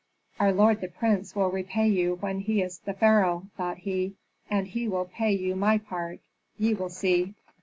"Our lord the prince will repay you when he is the pharaoh!" thought he. "And he will pay you my part ye will see."